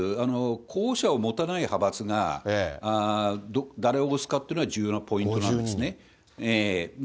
候補者を持たない派閥が誰を推すかというのは重要なポイントなんですね。